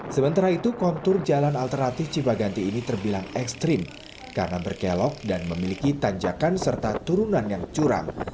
sementara itu kontur jalan alternatif cipaganti ini terbilang ekstrim karena berkelok dan memiliki tanjakan serta turunan yang curang